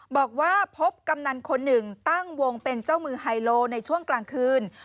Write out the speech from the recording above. บอกว่าพบกำนันคนหนึ่งตั้งวงเป็นเจ้ามือไฮโลในช่วงกลางคืน